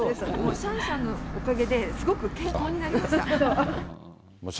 シャンシャンのおかげですごく健康になりました。